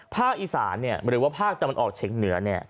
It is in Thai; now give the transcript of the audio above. ภาคอีสานหรือว่าภาคตะวันออกเฉียงเหนือ